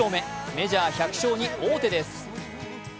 メジャー１００勝に王手です。